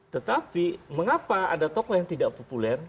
tetapi mengapa ada tokoh yang tidak populer